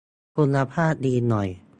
คุณภาพดีหน่อย